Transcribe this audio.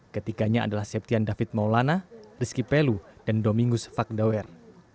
ketiganya adalah septian david maulana rizky pelu dan dominus fakdawer